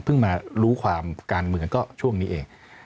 มารู้ความการเมืองก็ช่วงนี้เอง